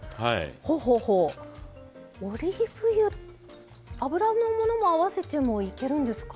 オリーブ油油のものも合わせてもいけるんですか？